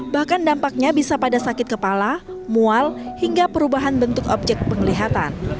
bahkan dampaknya bisa pada sakit kepala mual hingga perubahan bentuk objek penglihatan